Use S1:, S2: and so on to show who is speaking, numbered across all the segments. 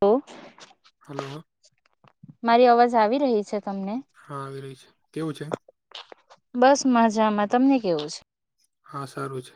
S1: તો
S2: હલો
S1: મારી અવાજ આવી રહી છે તમને
S2: હા આવી રહી છે કેવું છે
S1: બસ મજામાં તમને કેવું છે
S2: હા સારું છે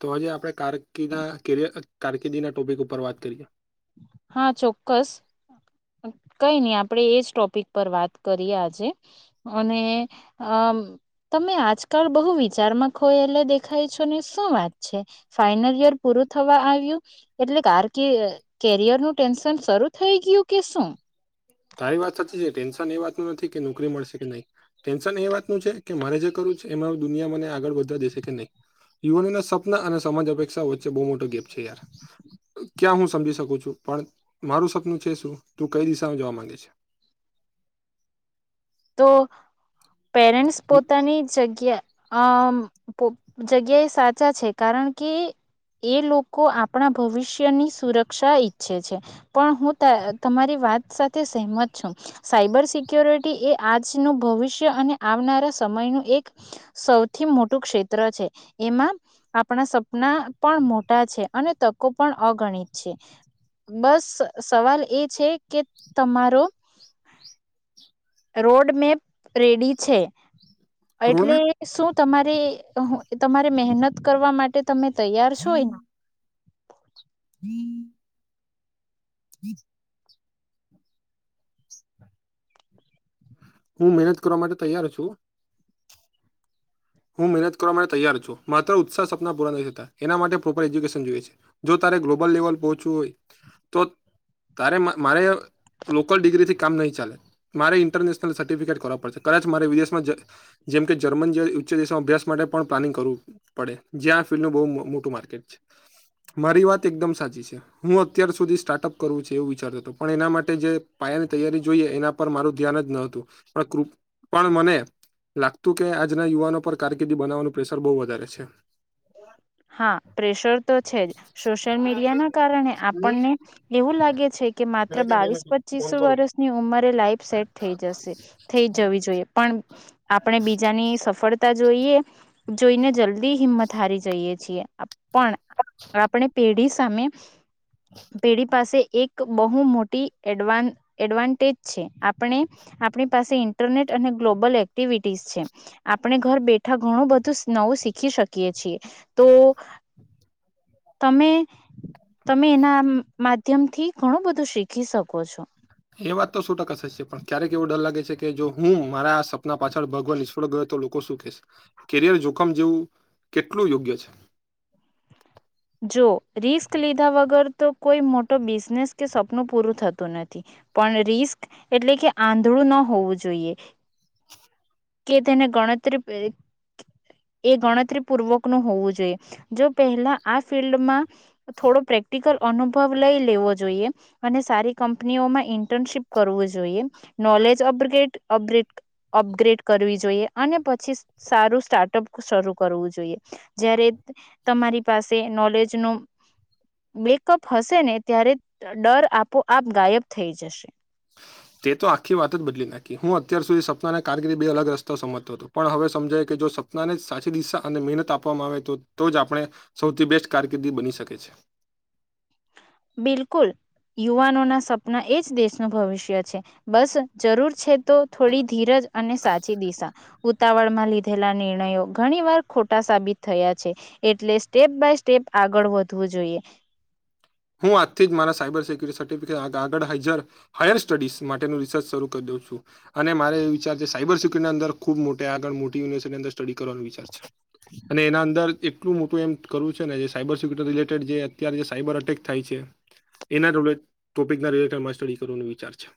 S2: તો હજી આપણે કારકિર્ય કારકિર્દીના ટોપિક ઉપર વાત કરીએ
S1: હા ચોક્કસ કઈ નહી આપડે એજ ટોપિક પર વાત કરીએ આજે અને તમે આજકાલ બહુ વિચારમાં ખોયેલા દેખાય છો ને શું વાત છે ફનલ યર પૂરું થવા આવ્યું એટલે કાર કે કેરિયર નું ટેન્શન શરૂ થઈ ગયું કેસો
S2: તારી વાત સાચી છે ટેન્શન એ વાતનું નથી કે નોકરી મળશે કે નહીં ટેન્શન એ વાતનું છે કે મારે જે કરવું એમાં દુનિયા મને આગળ વધા દેશે કે નહી યુવાનોને સપના અને સમાજ અપેક્ષા વચ્ચે બહુ મોટો ગેપ છે યાર ક્યાં હું સમજી શકું છું પણ મારું સપનું છે શું તું કઈ દિશામાં જવા માંગ છે
S1: તો પેરેન્ટ્સ
S2: છે
S1: પોતાની જગ્યા અમ જગ્યા એ સાચા છે કારણ કે એ લોકો આપણા ભવિષ્યની સુરક્ષા ઈચ્છે છે પણ હું ત તમારી વાત સાથે સહેમત છું સાયબર સિક્યોરિટી એ આજનું ભવિષ્ય અને આવનારા સમયનું એક સૌથી મોટું ક્ષેત્ર છે એમાં આપણા સપના પણ મોટા છે અને તકો પણ અગણિત છે બસ સવાલ એ છે કે તમારો
S2: [unintelligible]
S1: રોડ મેપ રેડી છે એટલે
S2: રોડમેપ
S1: શું તમારે તમારે મહેનત કરવા માટે તમે તૈયાર છોયને
S2: હમ હમ [unintelligible] હું મહેનત કરવા માટે તૈયાર છું હું મહેનત કરવા માટે તૈયાર છું માત્ર ઉત્સાહ સપના પૂરા નથી થતા એના માટે પ્રોપર એજ્યુકેશન જોઈએ છે જો તા ગ્લોબલ લેવલ પહચવું હોય તો તારેમ મારે લોકલ ડિગ્રીથી કામ નહીં ચાલે મારે ઇન્ટરનેશનલ સર્ટિફિકેટ કરવા પડશે કદાચ મારે વિદેશમાં જેમ કે જર્મન જ દેશમાં અભ્યાસ માટે પણ પ્લાનિંગ કરવું પડે જ્યાં આ ફિલ્ડનું બહુ મોટું માર્કેટ છે મારી વાત એકદમ સાચી છે હું અત્યાર સુધી સ્ટાર્ટઅપ કરવું છે એવું વિચારતો હતો પણ એના માટે જે ની તૈયારી જોઈએ એના પર મારું ધ્યાન જ ન હતું પણ ક્રુ પણ મને લાગતું કે આજના યુવાનો પર કારકિર્દી બનાવવાનું પ્રેશર બહુ વધારે છે
S1: હા પ્રેશર તો છે જ સોશિયલ મીડિયા ના કારણે આપણને એવું લાગે છે કે માત્ર બાવીસ પચીસ વર્ષની ઉંમરે લાઈફ સેટ થઈ જશે થઈ જવી જોઈએ પણ આપણે બીજાની સફળતા જોઈએ જોઈને જલ્દી હિંમત હારી જઈએ છીએ પણ આપણે પેઢી સામે પેઢી પાસે એક બહુ મોટી એડવા એડવાન્ટેજ છે આપણે આપણી પાસે ઇન્ટરનેટ અને ગ્લોબલ એક્ટિવિટીસ છે આપણે ઘર બેઠા ઘણું બધું નવું શીખી શકીએ છીએ તો તમે તમે એના માધ્યમ થી ઘણું બધું શીખી શકો છો
S2: એ વાત તો શો ટકા થ જ છે પણ ક્યારેક એવું ડર લાગે છે કે જો હું મારા આ સપના પાછળ ભગવાન [unintelligible] ઈશ્વળ ગ [unintelligible] તો લોકો શું કેસે કેરિયર જોખમ જેવું કેટલું યોગ્ય છે
S1: જો રિસ્ક લીધા વગર તો કોઈ મોટો બિઝનેસ કે સપનું પૂરું થતું નથી પણ રિસ્ક એટલે કે આંધળું ન હોવું જોઈએ
S2: [unintelligible] [inaudible]
S1: કે તેને ગણતરી [unintelligible] એ ગણતરી પૂર્વક નું હોવું જોઈએ જો પહેલા આ ફિલ્ડમાં થોડો પ્રેક્ટિકલ અનુભવ લઈ લેવો જોઈએ અને સારી કંપનીઓ ઓમાં ઇન્ટર્નશીપ કરવું જોઈએ નોલેજ અપગ્રેડ અપગ્રેડ અપગ્રેડ કરવી જોઈએ અને પછી સારું સ્ટાર્ટઅપ શરૂ કરવું જોઈએ જ્યારે તમારી પાસે નોલેજ નું બ્રેકઅપ હશે ને ત્યારે ડર આપોઆપ ગાયબ થઈ જશે
S2: તે તો આખી વાત જ બદલી નાખી હું અત્યાર સુધી સપનાને કારકિર્દી બે અલગ રસ્તા સમજતો હતો પણ હવે સમજાય જો સપનાને સાચી દિશા અને મહેનત આપવામાં આવે તો તો જ આપણે સૌથી બેસ્ટ કારકિર્દી બની શકે છે [inaudible]
S1: બિલકુલ યુવાનોના સપના [unintelligible] એ જ દેશનું ભવિષ્ય છે, બસ જરૂર છે તો થોડી ધીરજ અને સાચી દિશા. ઉતાવળમાં લીધેલા નિર્ણયો ઘણી વાર ખોટા સાબિત થયા છે એટલે સ્ટેપ બાય સ્ટેપ આગળ વધવું જોઈએ.
S2: [inaudible] હું આજથી જ મારા સાયબર સિક્યુરિટી સર્ટિફિકેટ આગળ હાઈજર હાયર સ્ટડીઝ માટેનું રિસર્ચ શરૂ કરી દઉં છું. અને મારે એ વિચાર છે સાયબર સિક્યુરિટી ની અંદર ખુબ મોટી આગળ મોટી યુનિવર્સિટી અંદર સ્ટડી કરવાનો વિચાર છે. અને એના અંદર એટલું મોટું એમ કરવું છે ને જે સાયબર સિક્યુરિટી રિલેટેડ જે અત્યારે સાયબર અટેક. થાય છે. એના [unintelligible] ટોપિક ના [unintelligible] સ્ટડી કરવાનો વિચાર છે.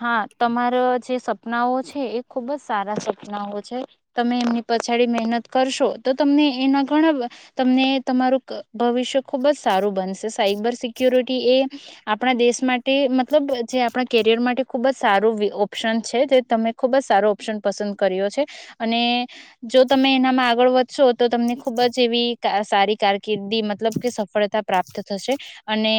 S1: હા તમારો છે સ સપનાઓ છે. એ ખુબ જ સારા સપનાઓ છે. તમે એમની પછાડી મહેનત કરશો તો તમને એના ઘણા તમને તમારું ભવિષ્ય ખુબ જ સારું બનશે. સાયબર સિક્યોરિટી એ આપણા દેશ માટે મતલબ જે આપણા કેરિયર માટે ખૂબ જ સારું ઓપ્શન છે, જે તમે ખૂબ જ સારો ઓપ્શન પસંદ કર્યો છે. અને જો તમે એનામાં આગળ વધશો તો તમને ખુબ જ એવી કા સારી કારકિર્દી મતલબ કે સફળતા પ્રાપ્ત થશે અને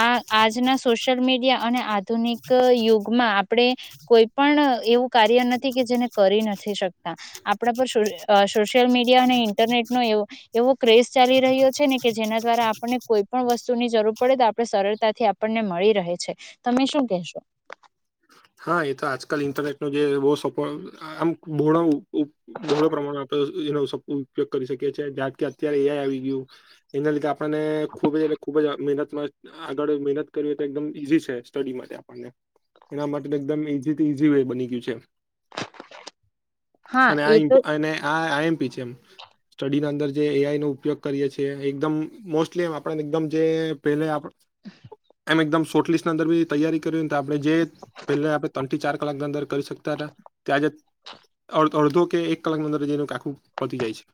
S1: આ આજના સોશિયલ મીડિયા અને આધુનિક ક યુગમાં આપણે કોઈ પણ એવું કાર્ય નથી કે જેને કરી નથી શકતા. આપણા પર સો અ સોશિયલ મીડિયા અને ઇન્ટરનેટનો એવો એવો ક્રેઝ ચાલી રહ્યો છે ને કે જેના દ્વારા આપણને કોઈ પણ વસ્તુ ની જરૂર પડે તો આપણે સરળતાથી આપણને મળી રહે છે તમે શું કહેશો?
S2: હા એ તો આજકાલ ઇન્ટરનેટ નું જે બો સપો આમ બોડાવું બોળો પ્રમાણે આપે એનો સદઉપયોગ કરી શકીએ છે કારણ કે અત્યારે એ આઈ આવી ગયું. એના લીધે અને ખૂબ જ એટલે ખૂબ જ આ મહેનતમાં આગળ મહેનત કરીએ તો એકદમ ઈઝી છે. સ્ટડી માટે આપણને એના માટે. એટલે એકદમ ઈઝી થી ઈઝી વે બની ગયું છે.
S1: હા
S2: અને આ
S1: એ તો
S2: ઈંપુ અને આ આય એમ પી છે એમ. સ્ટડી ના અંદર જે એ આઈ નો ઉપયોગ કરીએે છીએ એકદમ મોસ્ટલી એ આપણ ને એકદમ જે પેલે એમ એકદમ શોર્ટ લિસ્ટ ના અંદર બી તૈયારી કરીયવી હોય ને તો આપણે જે પેલે આપણે ત્રણ થી ચાર કલાકની અંદર કરી શકતા હતા. ત્યાં આજે અડ અડધો કે એક કલાકની અંદર [unintelligible] આખું પતી જાય છે.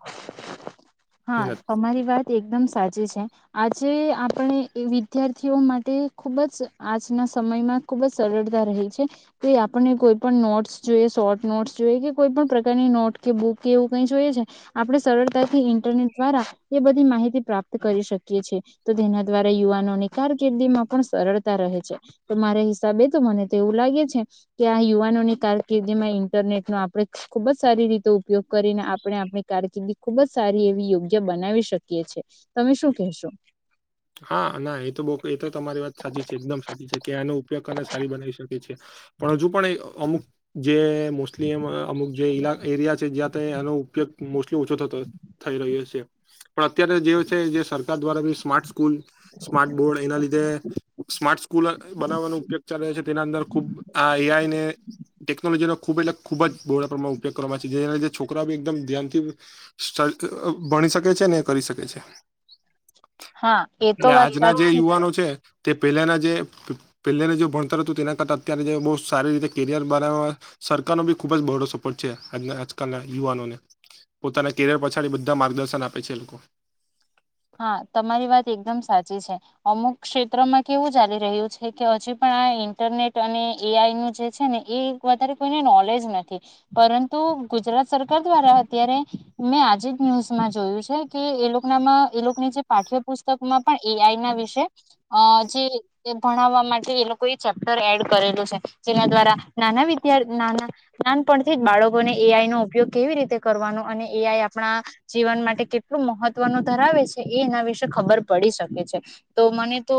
S1: હા
S2: મહેનત
S1: તમારી વાત એકદમ સાચી છે, કે આજે આ પણ એ વિદ્યાર્થીઓ માટે ખુબ જ આજના સમયમાં ખુબ જ સરળતા રહે છે. તો આપણને કોઈ પણ નોટસ જોઈએ શોર્ટ નોટ્સ જોઈએ કે કોઈ પણ પ્રકારની નોટ કે બુક કે એવું કઈ જોઈએ આપણે સરળતાથી એની દ્વારા એ બધી માહિતી પ્રાપ્ત કરી શકીએ છે. તો તેના દ્વારા યુવાનો ને કારકિર્દી માં પણ સરળતા રહે છે. તો મારા હિસાબે તો મને તો એવું લાગે છે કે આ યુવાનો ની કારકિર્દી જેમાં ઇન્ટરનેટ નો આપણે ખુબ જ સારી રીતે ઉપયોગ કરીને આપણે આપણી કારકિર્દી ખુબ જ સારી યોગ્ય બનાવી શકીએ છે તમે શું કહેશો?
S2: હા ના એ તો બો એ તો તમારી વાત સાચી છે. એકદમ સાચી છે કે એનો ઉપયોગ કરીને સારી બનાવી શકીએ છે. પણ હજુ પણ એ અમુક જે મોસ્ટલી એમાં અમુક જે ઇલા એરિયા છે. જ્યાં તો એનો ઉપયોગ મોસ્ટલી ઓછો થતો થઈ ગયો. [unintelligible] પણ અત્યારે જે છે, જે સરકાર દ્વારા બી સ્માર્ટ કુલ સ્માર્ટ બોર્ડ એના લીધે સ્માર્ટ સ્કૂલ બનાવવાનો ઉપયોગ ચાલે છે. તેના અંદર ખુબ આ એ આઈ ની ટેકનોલોજીનો ખૂબ એટલે ખૂબ જ બો બધા પ્રમાણ ઉપયોગ કરવામાં આવે છે. જેના લીધે છોકરાઓ એકદમ ધ્યાનથી ભણી શકે છે ને કરી શકે છે.
S1: હા એ તો
S2: ને
S1: વાત
S2: આજના જે
S1: સાચી
S2: યુવાનો છે તે પહેલાના જે પહેલાના જે ભણતર હતું તેના કરતા અત્યારે જે બૌ સારી રીતે કેરિયર બનાવવા સરકારનો બી ખુબ જ બહોળો સપોર્ટ છે આજના આજકાલના યુવાનોને. પોતાના કેરિયર પછાડી બધા માર્ગદર્શન આપે છે.
S1: હા તમારી વાત એકદમ સાચી છે. અમુક ક્ષેત્રમાં કેવું ચાલી રહ્યું છે કે હજી પણ ઇન્ટરનેટ અને એ આઈ નું જે છે ને એ વધારે કોઈને નોલેજ નથી પરંતુ ગુજરાત સરકાર દ્વારા અત્યારે મેં આજે જ ન્યુઝમાં જોયું છે કે એ લોકો નામાં એ લોકોની જે પાઠ્યપુસ્તકમાં પણ એ આઈ ના વિશે અ જે ભણાવવા માટે ચેપ્ટ એડ કરેલું છે જેના દ્વારા નાના [unintelligible] નાનપણથી બાળકોને એ આઈ નો ઉપયોગ કેવી રીતે કરવાનો અને એ આઈ આપણા જીવન માટે કેટલું મહત્વનું ધરાવે છે એ એના વિશે ખબર પડી શકે છે તો મને તો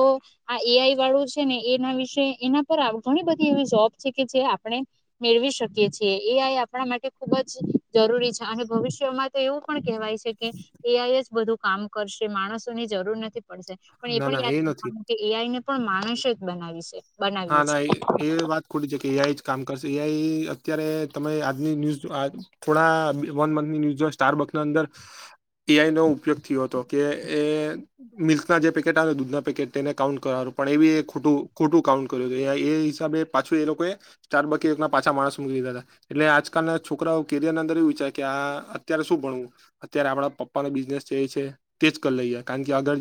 S1: આ એ આઈ વાળું છે ને એના વિશે એના પર ઘણી બધી એવી જોબ છે કે જે આપણે મેળવી શકીએ છીએ એ આ આપણા માટે ખુબ જ જરૂરી છે અને ભવિષ્યમાં તો એવું પણ કેહેવાય છે કે એ આઈ જ બધું કામ કરશે માણસો ની જરૂર નથી પડશે પણ એ
S2: ના
S1: પણ
S2: ના
S1: યાદ
S2: નથી
S1: રાખવાનું કે એ આઈને પણ માણસે જ બનાવી છે
S2: હા
S1: બનાવ્યું છે.
S2: ના એ વાત ખોટી છે કે જે કામ કરશે એ આઈ અત્યારે તમે આજની ન્યૂઝ થોડા વનમંથની ન્યૂઝ જો સ્ટાર અંદર એઆઈ નો ઉપયોગ થયો હતો કે એ મિલ્કના જે પેકેટ આવેને દૂધના પેકેટ તેને કાઉન્ટ કરવાનું પણ એવી એક ખોટું ખોટું કાઉન્ટ એ હિસાબે પાછું એ લોકોએ ચારબકી પાછા માણસ મુકી દીધા હતા એટલે આજકાલ છોકરા અંદર એવું વિચરે કે આ અત્યારે શું ભણવું અત્યારે આપણા પપ્પા બિઝનેસ જે તે લઈ કારણ કે આગળ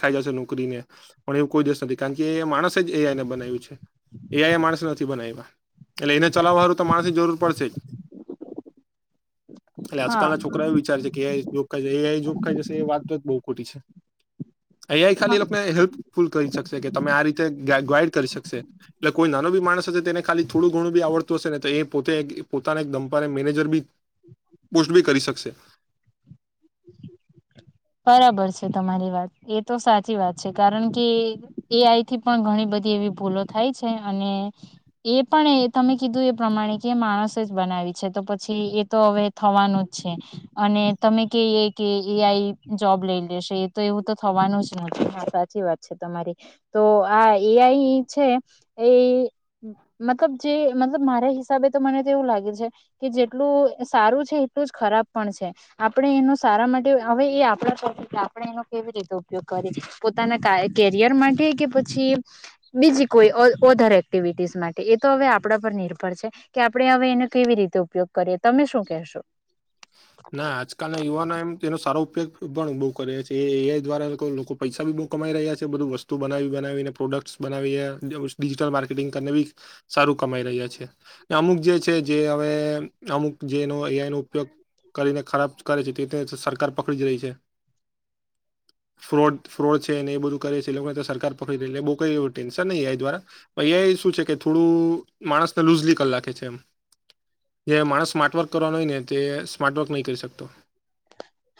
S2: ખાઈ જશે નોકરીને પણ એવું કોઈ દેશ નથી કારણ કે એ માણસ એઆઈને બનાવ્યું છે એ આઈ માણસ નથી બનાવ્યા એટલે એને ચલાવવાળું તો માણસ ની જરૂર પડશે જ [inaudible] એટલે
S1: હા
S2: આજકાલના છોકરા એ વિચાર કે એ આઈ જોબ ખાઈ જોગ ખાઈ જશે એ વાત તો જ બહું ખોટી અએ આઈ ખાલીને હેલ્પફુલ કરી શકશે કે તમે આ રીતે ગાઈડ કરી શકશે એટલે કોઈ નાનો બી માણસ હશે તેને ખાલી થોડું ઘણું બી આવડતું હશે ને તો એ પોતે પોતાના એક દંપાર મેનેજર બી પોસ્ટ બી કરી શકશે [inaudible]
S1: બરાબર છે તમારી વાત એ તો સાચી વાત છે કારણ કે એ આઈ થી પણ ઘણી બધી ભૂલો થાય છે અને એ પણ તમે કીધું એ પ્રમાણે કે માણસે જ બનાવી છે તો પછી એ તો હવે થવાનું જ છે અને તમે કહીએ કે એ આઈ જોબ લઈ લેશે એ તો એવું તો થવાનું જ નથી હા સાચી વાત છે તમારી તો આ એ આઈ છે એ મતલબ જે મતલબ મારા હિસાબે તો મનેવું લાગે છે કે જેટલું સારું છે એટલું જ ખરાબ પણ છે આપણે એનું સારા માટે હવે એ આપણે એનો કેવી રીતે ઉપયોગ કરીએ પોતાના કેરિયર માટે કે પછી બીજી કોઈ ઓધર એક્ટિવિટીસ માટે એ તો હવે આપણા પર નિર્ભર છે કે આપણે હવે એને કેવી રીતે રીતે ઉપયોગ કરીએ તમે શું કહેશો?
S2: ના આજકાલ ના યુવાનો એમ તેનું સારું ઉપયોગ પણ બહુ કરે છે એ દ્વારા લોકો પૈસા બી બહુ કમાઈ રહ્યા છે બધું વસ્તુ બનાવી બનાવીને પ્રો પ્રોડકશ બનાવીએ ડિજિટલ મ્રાકેટીગ કરીને પણ સારું કમાવી રહ્યા છે અને અમુક જે છે એ કે હવે અમુક જેનો એ આપનો ઉપયોગ કરીને ખરાબ કરે છે તે સરકાર પકડી જ રહી છે [inaudible] ફ્રોડ ફ્રોડ છે ને એ બધું કરે છે એ લોકોને સરકાર પકડીેને બહુ કઈ એવ ટેન્શન નહીં દ્વારા થોડું માણ લઝે છે જે માણસ માર્વ કરવાનો હોય ને તે સ્માર્ટ વર્ક નહીં કરી શકતો.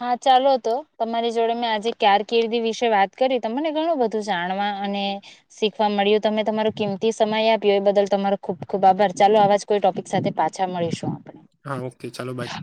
S1: હા ચાલો તો તમારી જોડે મેં આજે કારકિર્દી વિશે વાત કરી તમને ઘણું બધું જાણવા અને શીખવા મળ્યું તમે તમારું કેમ સમય આપ્યો એ બદલ તમારો ખુબ ખુબ આભાર ચાલો આવાજ કોઈ ટોપિક સાથે પાછા મળીશું.
S2: હા ઓકે ચાલો બાય